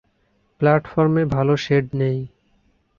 প্ল্যাটফর্মে ভাল শেড নেই।